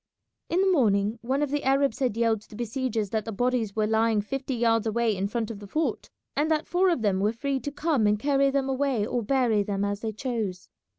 In the morning one of the Arabs had yelled to the besiegers that the bodies were lying fifty yards away in front of the fort, and that four of them were free to come and carry them away or bury them as they chose.